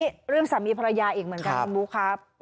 ในรงสมีพระยาอีกเหมือนกันครับลุ๊คครับ